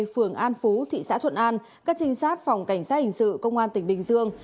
phường an phú thị xã thuận an các trinh sát phòng cảnh sát hình sự công an tỉnh bình dương